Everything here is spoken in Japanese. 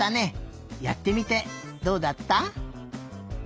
やってみてどうだった？